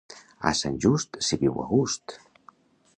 A Sant Just s'hi viu a gust!